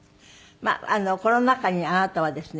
まあコロナ禍にあなたはですね